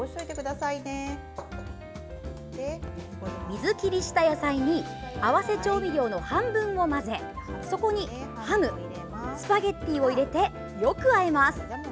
水切りした野菜に合わせ調味料の半分を混ぜそこにハム、スパゲッティを入れてよくあえます。